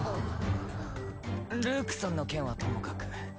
ルークさんの件はともかく。